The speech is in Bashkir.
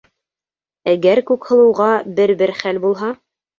Әгәр Күкһылыуға бер-бер хәл булһа...